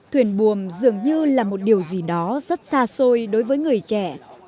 thuyền buồm dường như là một điều gì đó rất xa xôi đối với người trẻ